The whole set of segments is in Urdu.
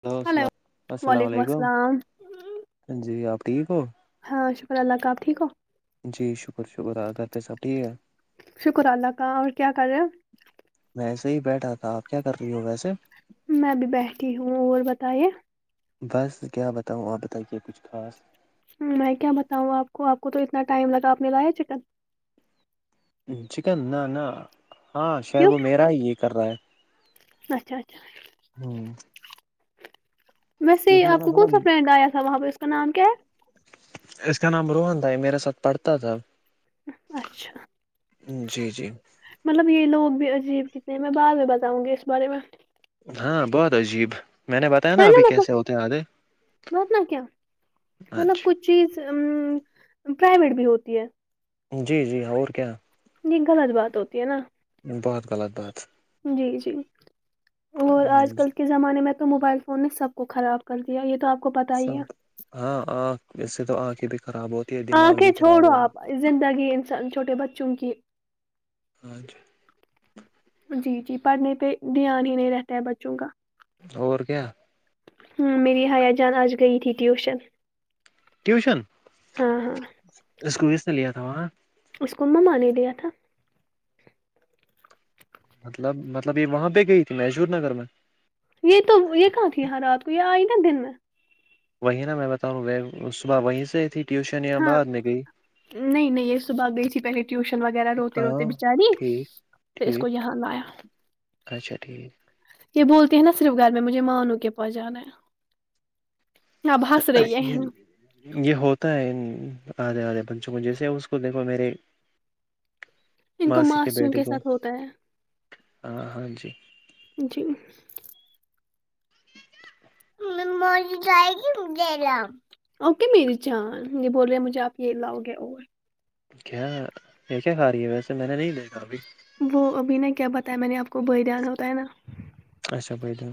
ہلو اللام السلام وعلیکم علیکم السلام جی آپ ٹھیک ہو ہاں شکر اللہ کا آب ٹھیک ہو جی شکر شکر آپ کے یہاں سب ٹھیک ہے شکر اللہ کا اور کیا کر رہے میںں ایسے ہی بیٹھا تھا آپ کیا کر رہی ہو ویسے میں بھی بیٹھی ہوں اور بتایے بس کیا بتاؤں آپ بتائیے کچھ خاص میں کیا بتاؤں آپ کو آپ کو تو اتنا ٹائم لگا آپ نے لایا چکن چکن نہ نہ ہاں شاید کیوں وہ میرا ہی یہ کر رہا ہے اچھا اچھا ہ ویسے ہی کیونکہ آپ میرا کو کون تھوڑا سا فرینڈ آیا تھا وہاں پہ اس کا نام کیا ہے اس کا نام روہن تھا یہ میرے ساتھ پڑھتا تھا اچھا ہوں جی جی مطلب یہ لوگ بھی عجیب کتنے ہیں میں بعد میں بتاؤں گی اس بارے میں ہاں بہت عجیب میں نے بتایا ہے ناں ابھی نا مطلب کیسے ہوتے ہیں آدھے مت نہ کیا مطلب اچھا کچھ چیز ام پرائیویٹ بھی ہوتی ہے جی جی اور کیا یہ غلط بات ہوتی ہے ناں بہت غلط بات جی جی اور آج کل کے زمانے میں تو موبائل فون نے سب کو خراب کر دیا یہ تو آپ کو پتا ہی ہے سب ہاں آنکھ اس سے تو آنکھیں بھی خراب ہوتی ہے دماغ آنکھیں بھی خراب چھوڑو ہوتا آپ زندگی انسان چھوٹے بچوں کی ہاں جی جی جی پڑھنے پہ دھیان ہی نہیں رہتا ہے بچوں کا اور کیا ہوں میری حیا جان آج گئی تھی ٹیوشن ٹیوشن ہاں ہاں اس کو کس نے لیا تھا وہاں اس کو مما نے دیا تھا مطلب مطلب یہ وہاں پہ گئی تھی میشور نگر میں یہ تو یہ کہاں تھی رات کو یہ آئی ناں دن میں وہیں ناں میں بتا رہا ہوں صبح وہیں سے آئی تھی ٹیوشن یا ہاں بعد میں گئی نہیں نہیں یہ صبح گئی تھی پہلے ٹیوشن وغیرہ روتے روتے ہاں بچاری ٹھیک پھر اس ٹھیک کو یہاں لایا اچھا ٹھیک یہ بولتے ہیں ناں صرف گھر میں مجھے مانوں کے پاس جانا ہے اب ہنس رہی ہے [unintelligible] یہ ہوتا ہے آدھے آدھے بچوں کو جیسے اس کو دیکھو میرے ان کو ماسی کے ماسٹروں بیٹے کو ساتھ ہوتا ہے ہاں ہاں جی جی [unintelligible] اوکے میری جان یہ بول رہے ہیں مجھے آپ یہ لاؤ گے اور کیا یہ کیا کھا رہی ہے ویسے میں نے نہیں دیکھا ابھی وہ ابھی ناں کیا بتا میں نے آپ کو بری دان ہوتا ہے ناں اچھا بریدان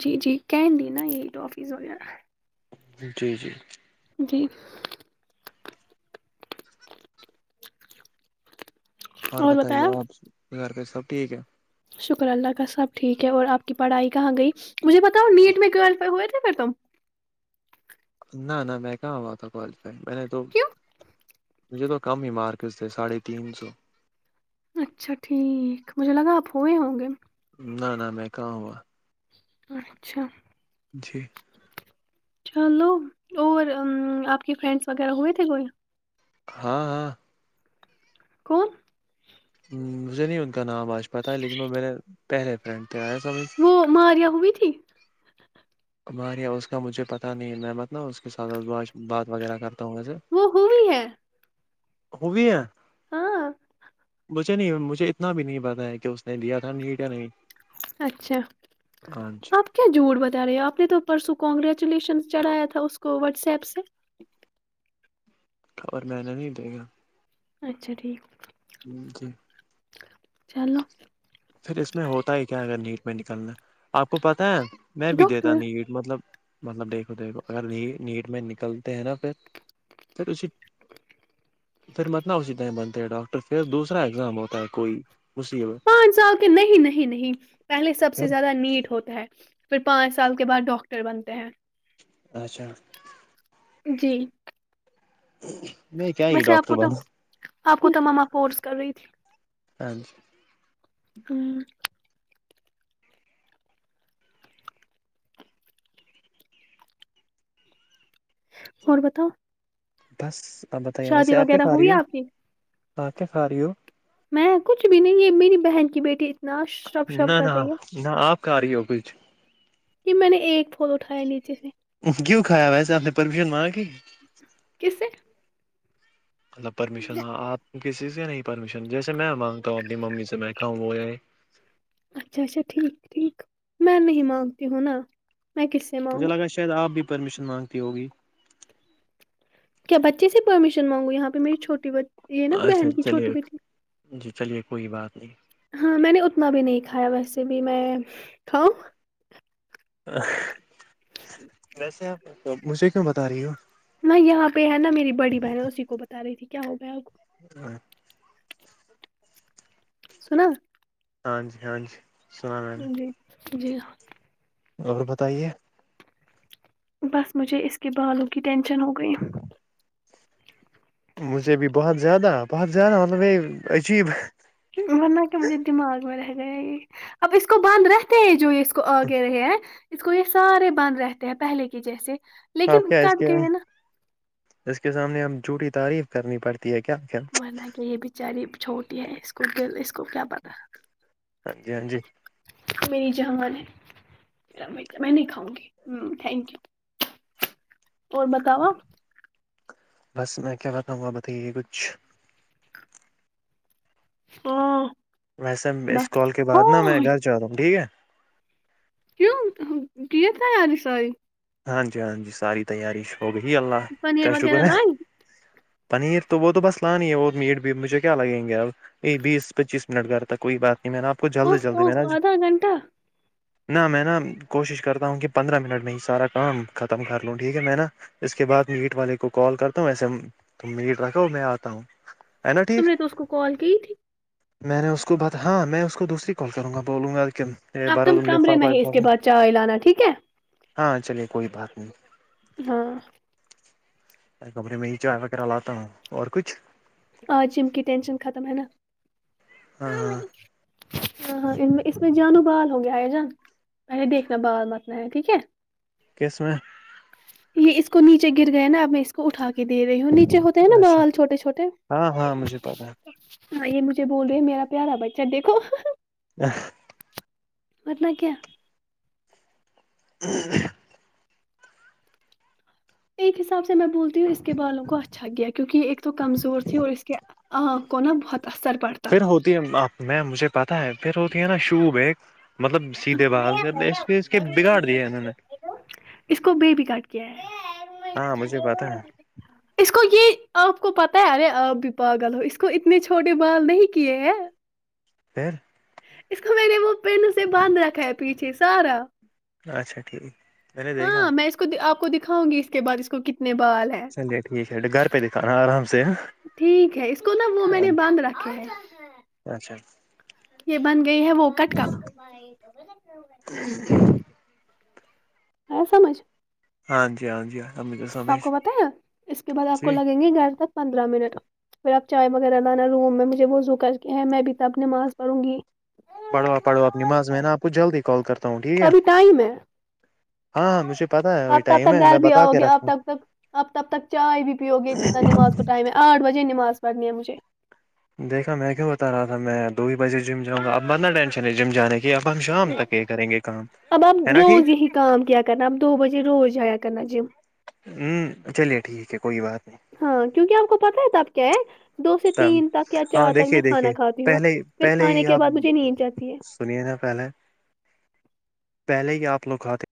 جی جی کینڈی ناں یہی ٹافیس وغیرہ جی جی جی اور بتائیے آپ گھر پہ سب ٹھیک ہے شکر اللہ کا سب ٹھیک ہے اور آپ کی پڑھائی کہاں گئی مجھے بتاؤ نیٹ میں کویلفائی ہوئے تھے پھر تم نہ نہ میں کہاں ہوا تھا کوالیفائی میں نے تو کیوں مجھے تو کم ہی مارکس تھے ساڑھے تین سو اچھا ٹھیک مجھے لگا آپ ہوئے ہوں گے نہ نہ میں کہاں ہوا اچھا جی چلو اور آپ کی فرینڈس وغیرہ ہوئے تھے کوئی ہاں ہاں کون مجھے نہیں ان کا نام آج پتہ ہے لیکن وہ میرے پہلے فرینڈ تھے آیا سمجھ وہ ماریا ہو تھی ماریا اس کا مجھے پتاہ نہیں محمت ن اس کے ساتھ بات وغیرہ کر سے وہ ہوئی ہے ہو بھی ہے ہاں مجھے نہیں مجھے اتنا بھی نہیں پتا ہے کہ اس نے دیا تھا نیٹ یا نہیں اچھا ہاں جی آپ کیا جھوٹ بتا رہی ہے آپ نے تو پرسوں کنگریچولیشن چڑھیا تھا اس کو واٹس ایپ سے اور میں نے نہیں دیا اچھا ٹھیک ہمم جی چلو پھر اس میں ہوتا ہی کیا اگر نیٹ میں نکلنا آپ کو پتہ ہے میں بھی دیتا ڈاکٹر نیٹ مطلب مطلب دیکھو دیکھو اگر نیٹ میں نکلتے ہیں نا پھر پھر اسے پھر متنا اسی ٹائم بنتے ہیں ڈاکٹر پھر دوسرا ایگزام ہوتا ہے کوئی مصیبت پانچ سال کے نہیں نہیں نہیں پہلے سب سے پھر زیادہ نیٹ ہوتا ہے پھر پانچ سال کے بعد ڈاکٹر بنتے ہیں اچھا جی نہیں کیا ہی ویسے آپ کو ڈاکٹر تو بنا آپ کو تو مما فورس کر رہی تھی ہاں جی ہمم اور بتاؤ بس آپ بتائیے شادی ویسے آپ کیا وغیرہ کھا رہی ہوئی ہو آپ کی آپ کیا کھا رہی ہو میں کچھ بھی نہیں ہے میری بہن کی بیٹی اتنا شب شب نہ کر نہ رہی ہے نہ آپ کھا رہی ہو کچھ یے میں نے ایک پھول اٹھایا نیچے سے کیوں کھایا ویسے آپ نے پرفیوم مار کے کس سے مطلب پرمیشن آپ کسی سے نہیں پرمیشن جیسے میں مانگتا ہوں اپنی ممی سے میں کھاؤں وہ یے اچھا اچھا ٹھیک ٹھیک میں نہیں مانگتی ہوں نا میں کس سے مجھے مانگوں لگ شاید آپ بھی پرمیشن مانگتی ہوگی کیا بچے سے پرمیشن مانگو ینہاں پر میری چھوٹی بچی اچھا چلیے جی چلیے کوئی بات نہیں ہاں میں نے اتنا بھی نہیں کھایا ویسے بھی میں کھاؤں ویسے آپ مجھے کیوں بتا رہی ہو نہ یہاں پے ہے نا میری بڑی بہن ہے اسی کو بتا رہی تھی کیا ہو گیا آپکو ہاں سنا ہاں جی ہاں جی سنا میں نے جی جی ہاں اور بتائیے بس مجھے اس کے بالوں کی ٹینشن ہو گئی مجھے بھی بہت زیادہ بہت زیادہ مطلب یے عجیب ورنہ کہ مجھے دماغ میں رہ گیا یہ اب اس کو بانند رہتے ہیں جو یے اس کو آگے رہے ہیں اس کو یے سارے بند رہتے ہیں پہلے کی جیسے آپ لیکن کیا اس کٹ کے گئے نا اس کے سامنے اب جھوٹی تعریف کرنی پڑتی ہے کیا منا کہ یے بچاری چھوٹی ہے اس کو گل اس کو کیا پتہ ہاں جی ہاں جی میری جہا مان ہے میں نہیں کھاؤں گی تھینک یو اور بتاو آپ بس میں کیا بتاو آپ بتائیے کچھ ہا ویسے اس کال کے بعد نا میں گھر جاہ رہا ہوں ٹھیک ہے کیوں کیا تیار آائ ہاں جی ہاں جی ساری تیاری ہو گئی اللہ پنیر کیا شکر وغیرہ ہے لائی پنیر تو وہ تو بس لاانی ہے وہ میٹ بھی مجھے کیا لگیں گے اب یہ بیس پچیس منٹ گھر تھا کوئی بات نہیں میں نا آپ کو اوہ جلدی جلدی مینےاج اوہ آدھا گھنٹہ نہ میں نا کوشش کرتا ہوں کہ پندرہ منٹ میں ہی سارا کام ختم کر لوں ٹھیک ہے میں نا اس کے بعد میٹ والے کو کال کرتا ہوں وسے تم میٹ رکھو میں آتا ہوں ہے نا تم ٹھیک نے تو اس کو کال کی تھی میں نے اس کو بات ہاں میں اس کو دوسری کال کروں گا بولوں گا اب تم بارو کمرے میں لفافہ ہی اس کے لفافہ بعد چائے لانا ٹھیک ہے ہاں چلیے کوئی بات نہیں ہاں کمرے میں ہی چائے وغیرہ لاتا ہوں اور کچھ آج جم کی ٹینشن ختم ہے نا ہاں ہاں ہاں ہاں اس میں جانو بال ہو گیا ہے جان اے دیکنا بال متنا ہے ٹھیک ہے کس میں یہ اس کو نیچے گر گیا نا اب میں اس کو اٹھا کے دے رہی ہ نیچے ہوتے ہیں نا اچھا بال چھوٹے چھوٹے ہاں ہاں مجھے پتا ہاں یہ مجھے بول رہے ہیں میرا پیارا بچہ دیکھو ہے بٹنا کیا ایک حساب سے میں بولتی ہوں اس کے بالوں کو اچھا گیا کیونکہ یہ ایک تو کمزور تھی اور اس کے آپ کو نہ بہت اثر پڑتا ہے پھر ہوتی ہے آپ میں مجھے پتاہ ہے پھر ہوتی ہے نا شوب ایک مطلب سیدھے بہال کر اس اس کے بگاڑ دیا انہوں نے اس کو بے بھی کاٹ کیا ہے ہاں مجھے پتا ہے اس کو یہ آپ کو پتہ ہے ارے آپ بھی پاگل ہو اس کو اتنے چھوٹے بال نہیں کیے ہیں پھر اس کو میں نے وہ پین سے باندھ رکھا ہے پیچھے سارا اچھا ٹھیک میں نے دیکھا ہاں میں اس آپ کو دکھاؤں گی اس کے بع اس کو کتنے بال ہیں چلیے ٹھیک ہے گھر پہ دکھانا آرام سے ہاں ٹھیک ہے اس کو نا وہ میں نے بند رکھا ہے اچھا یہ بن گئی ہے وہ کٹ کر ایا سمجھ ہاں جی ہاں جی ہاں مجھے آپ سمیش کو بتایا ہے اس کے بعد آپ کو جی لگیں گے گھر تک پندرہ منٹ پھر اب چائے وغیرہ لانا روم میں مجھے وضو کر کے ہے میں بھی اب نماز پڑھوں گی پڑھو پڑھو اپ نماز میں نا آپ کو جلدی کال کرتا ہوں ٹھیک ہے ہاں ہاں مجھے پتا ہے وہی اب تب ٹائم تک ہے گھر میں بھی بتا آؤ کے گے اب رکھتا تب تک اب تب تک چائے بھی پیؤ گے جتنا نماز کو ٹائم ہے آٹھ بجے نماز پڑھنی ہے مجھے دیکھا میں کیوں بتا رہا تھا میں دو ہی بجے جم جاؤ گا اب بدتنا ٹینشن ہے جم جانے کی یہ اب ہم شام تک یہ کریں گے کام اب آپ ہے نا ٹھیک روز یہی کام کیا کرنا اب دو بجے روز جایا کرنا جم ہوں چلیے ٹھیک ہے کوئی بات نہیں ہاں کیونکہ آپ کو پتا ہے تب کیا ہے دو سے تب تین تک یا ہاں چار تک میں دیکھیے دیکھیے کھانا کھاتی ہوں پہلے پھر پہلے کھانے ہی کے آپ بعد مجھے نیند جاتی ہے پہلے پہلے ہی آپ لوگ کھاتے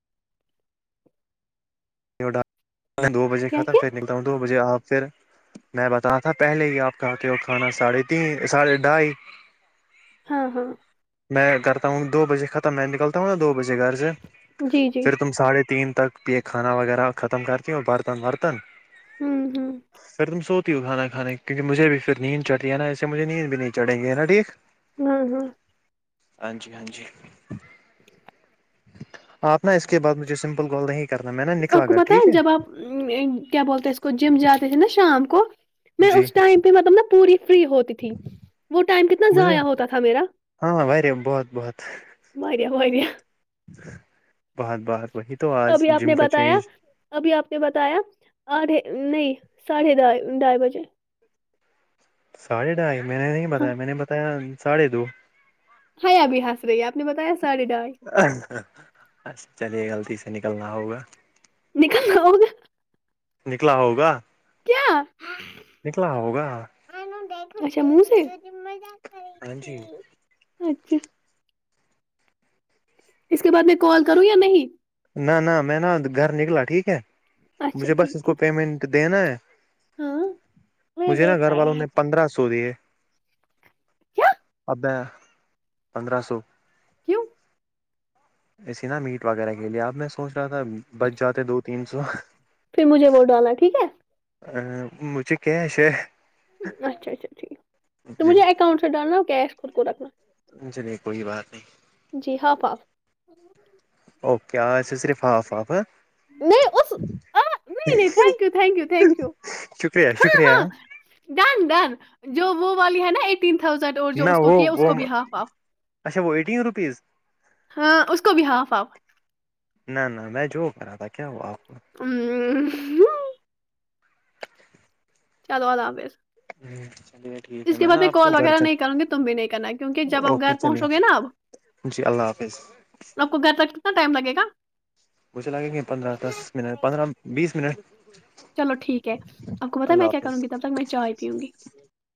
دو بجے کیا کھتا کیا پھر نکتا ہوں دو بجے آکر میں بتا تھا پہلے ہی آپ کھاتے ہو کھانا ساڑھے تین ساڑھے ڈھائی ہاں ہاں میں کرتا ہوں دو بجے ختم میں نکلتا ہوں نا دو بجے گھر سے جی جی پھر تم ساڑھے تین تک یہ کھانا وغیرہ ختم کرتی ہو برتن ورتن ہوں ہوں پھر تم سوتی ہو کھانا کے مجھے بھی پھر نیند چڑی ہے نا اسے مجھے نید نی چڑیں گے ن ٹھیک ہاں ہاں ہاں جی ہاں جی آپ نا اس کے بعد مجھے سمپل کال نہیں کرنا میں نا آپ نکلا کو گھر پتہ ٹھیک ہے جب آپ کیا بولتے ہیں اس کو جم جاتے ہے نا شام کو میں جی اس ٹائم پہ مطلب نا پوری فری ہوتی تھی وہ ٹائم کتنا مجھے ضائع ہوتا تھا میرا ہاں بہت بہت [unintelligible] بہت بہت وہی تو آج ابھی آپ جم نے کا بتایا چینج ابھی آپ نے بتایا آدھے نہیں ساڑھے ڈھائی بجے ساڑھے ڈھائی میں نے نہیں ہاں بتایا میں نے بتایا ساڑھے دو ہ ابھی ہسرے آپ نے بتایا ساڑھے ڈھائی چلیے غلطی سے نکل گا ہوگا نکل گا ہوگا نکلا ہوگا کیا نکلا ہوگا اچھا منہ سے ہاں جی اچھا اس کے بعد میں کال کروں یا نہیں نہ نہ میں نا گھر نکلا ٹھیک ہے اچھا مجھے بس اس ٹھیک کو ہے پمنٹ دینا ہے ہاں مجھے نا گھر والوں نے پندرہ سو دیے اب پندرہ سو کیوں ایے نا میٹ وغیرہ کے لے اب میں سوچ رہا تھا بچ جاتے دو تین سو پھر مجھے وہ ڈالا ٹھیک ہے ا مجھے کیش اچھا اچھا ٹھیک تو جی مجھے اکاؤنٹ سے ڈالنا ہو کیش خود کو رکھنا چلیے کوئی بات نہیں جی ہاف ہاف اوکے صرف ہاف ہاف میں اس اہ نہیں نہیں نہیں thank you thank you thank you شکریہ ہاں شکریہ ہاں ڈن ڈن جو وہ والی ہے نا ای تین تھاؤزینڈ اور نہ جو اس کو وہ کیا اس وہ کو بھی ہاف ہاف اچھا وہ ایٹین روپیز ہاں اس کو بھی ہالف حالف نہ نہ میں جو کرا تھا کیا ہو اپکو ہوں چلو اللہ حافظ [unintelligible] چلیے ٹھیک ہے اس کے میں بعد نا آپ کو کال گھر وغیرہ چا نہیں کروں گی تم بھی نہیں کرنا کیونکہ جب آپ اوکے گھر چلیے پہنچو گے نا اب جی اللہ حافظ آپ کو گئے تک کتنا ٹائم لگے گا مجھے لگے گے پندرہ دس منٹ پندرہ بیس منٹ چلو ٹھیک ہے آپ کو پتا ہے اللہ میں کیا حافظ کروں گی تب تک میں چائے پیوں گی